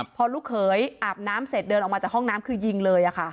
พอลูกเขยอาบน้ำเสร็จเดินออกมาจากห้องน้ำคือยิงเลย